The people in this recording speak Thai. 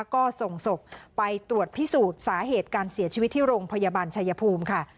ก็ส่งศพไปตรวจพิสูจน์สาเหตุการเสียชีวิตที่โรงพยาบาลชายภูมิค่ะ